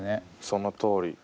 そのとおり。